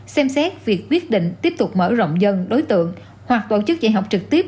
xem xét việc quyết định tiếp tục mở rộng dân đối tượng hoặc tổ chức dạy học trực tiếp